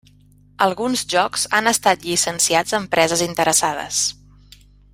Alguns jocs han estat llicenciats a empreses interessades.